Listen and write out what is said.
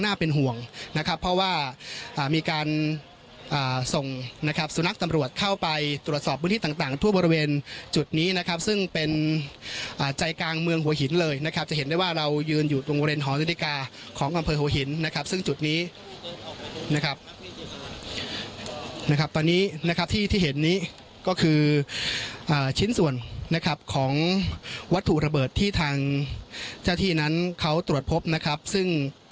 ห่วงนะครับเพราะว่ามีการส่งนะครับสุนัขตำรวจเข้าไปตรวจสอบพื้นที่ต่างทั่วบริเวณจุดนี้นะครับซึ่งเป็นใจกลางเมืองหัวหินเลยนะครับจะเห็นได้ว่าเรายืนอยู่ตรงบริเวณหอนาฬิกาของอำเภอหัวหินนะครับซึ่งจุดนี้นะครับนะครับตอนนี้นะครับที่ที่เห็นนี้ก็คือชิ้นส่วนนะครับของวัตถุระเบิดที่ทางเจ้าที่นั้นเขาตรวจพบนะครับซึ่ง